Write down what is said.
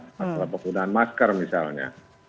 masalah penggunaan masker misalnya